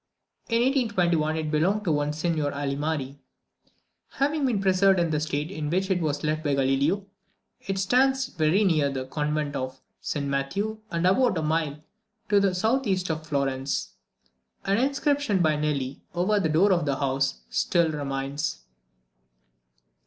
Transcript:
In 1821 it belonged to one Signor Alimari, having been preserved in the state in which it was left by Galileo; it stands very near the convent of St Matthew, and about a mile to the S. E. of Florence. An inscription by Nelli, over the door of the house, still remains.